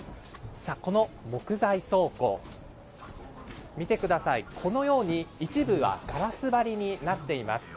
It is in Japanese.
この木材倉庫、見てください、このように、一部がガラス張りになっています。